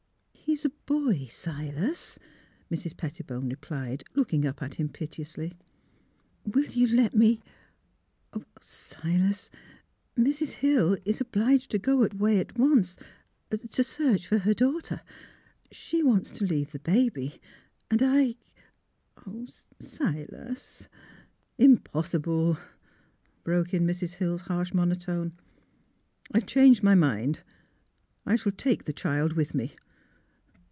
"" He is a boy, Silas," Mrs. Pettibone replied, looking up at him piteously. " Will you let me ? Oh, Silas, Mrs. Hill is obliged to go away at once to — to search for her daughter. She wants to leave the baby — and I Oh, Silas!" "Impossible!" broke in Mrs. Hill's harsh monotone. " I — have changed my mind. I shall take the child with me."